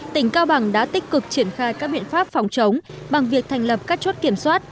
tỉnh cao bằng đã tích cực triển khai các biện pháp phòng chống bằng việc thành lập các chốt kiểm soát